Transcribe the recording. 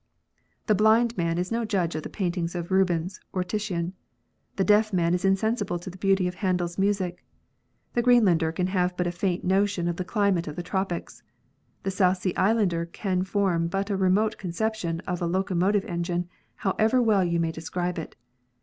The blind man is no judge of the paintings of Rubens or Titian ; the deaf man is insensible to the beauty of Handel s music ; the Greenlander can have but a faint, notion of the climate of the tropics ; the South Sea islander can form but a remote conception of a locomotive engine, however well you may describe it.